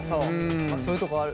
そういうとこある。